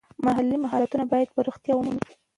مالي مهارتونه باید پراختیا ومومي.